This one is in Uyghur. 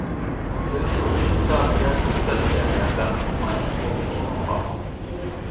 بىرسى ئۇچرىسا بىرەر كۈلپەتكە، ياردەم قىلمايلى بوپتۇ ئۇنىڭغا.